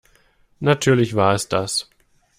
Natürlich war es das.